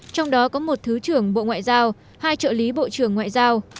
trong đó có một thứ trưởng bộ ngoại giao hai trợ lý bộ trưởng ngoại giao